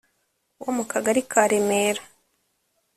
wo mu Kagari ka Remera